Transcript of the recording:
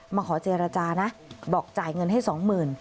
มาขอเจรจานะบอกจ่ายเงินให้สองหมื่น